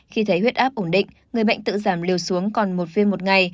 khi thấy huyết áp ổn định người bệnh tự giảm liều xuống còn một viêm một ngày